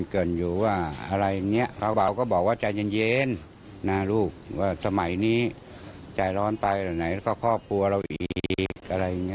เค้าบอกว่าใจร้อนไปแล้วไหนก็ครอบครัวเราอีก